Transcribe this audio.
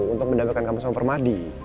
untuk mendapatkan kampus sama permadi